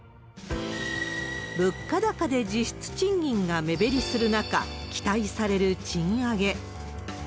物価高で実質賃金が目減りする中、期待される賃上げ。